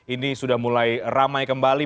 ini sudah mulai ramai kembali